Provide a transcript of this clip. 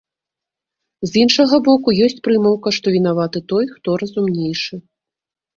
З іншага боку, ёсць прымаўка, што вінаваты той, хто разумнейшы.